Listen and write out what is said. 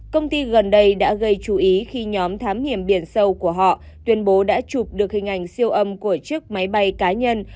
công ty gần đây đã gây chú ý khi nhóm thám hiểm biển sâu của họ tuyên bố đã chụp được hình ảnh siêu âm của chiếc máy bay cá nhân